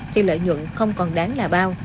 thì lợi nhuận không còn đáng là bao